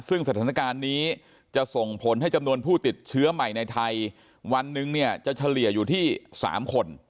ซึ่งสถานการณ์นี้จะส่งผลให้จำนวนผู้ติดเชื้อใหม่ในไทยวันหนึ่งเนี่ยจะเฉลี่ยอยู่ที่๓คน